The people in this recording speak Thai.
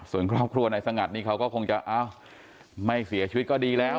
ส่วนครอบครัวนายสงัดนี่เขาก็คงจะไม่เสียชีวิตก็ดีแล้ว